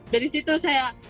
dari situ saya